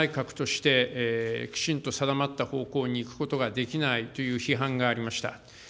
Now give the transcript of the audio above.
だから内閣としてきちんと定まった方向にいくことができないという批判がありました。